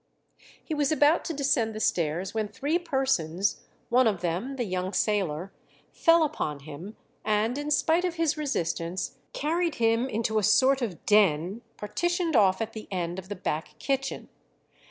He was about to descend the stairs when three persons, one of them the young sailor, fell upon him, and in spite of his resistance carried him into a sort of den partitioned off at the end of the back kitchen.